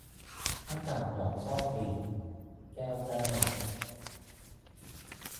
หน้ากากดอกซ่อนกลิ่น - แก้วเก้า